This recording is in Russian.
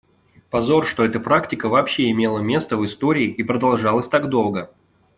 Позор, что эта практика вообще имела место в истории и продолжалась так долго.